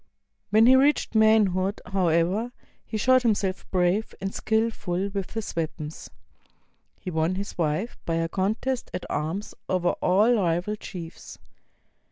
When he reached manhood, however, he showed himself brave and skillful with his weapons. He won his wife by a contest at arms over all rival chiefs.